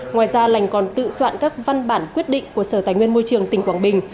ngoài ra lành còn tự soạn các văn bản quyết định của sở tài nguyên môi trường tỉnh quảng bình